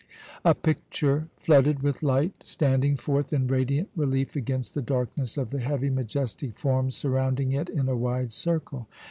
A picture flooded with light, standing forth in radiant relief against the darkness of the heavy, majestic forms surrounding it in a wide circle.